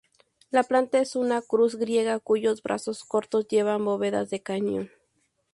La planta es una cruz griega cuyos brazos cortos llevan bóvedas de cañón.